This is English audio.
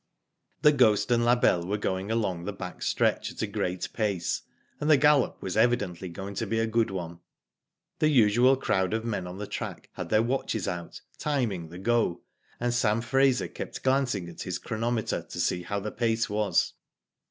The Ghost and La Belle were going along the back stretch at a great pace, and the gallop was evidently going to be a good one. The usual crowd of men on the track had their watches out, timing the "go;" and Sam Fraser kept glancing at his chronometer to see how the pace was.